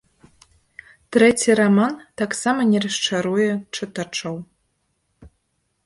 Трэці раман таксама не расчаруе чытачоў.